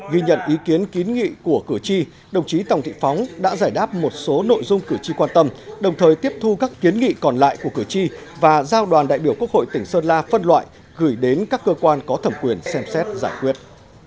ghi nhận ý kiến kiến nghị của cử tri đồng chí tòng thị phóng đã giải đáp một số nội dung cử tri quan tâm đồng thời tiếp thu các kiến nghị còn lại của cử tri và giao đoàn đại biểu quốc hội tỉnh sơn la phân loại gửi đến các cơ quan có thẩm quyền xem xét giải quyết